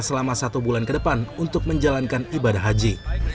selama satu bulan kedepan untuk menjalankan ibadah haji